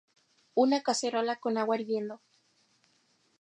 Una cacerola con agua hirviendo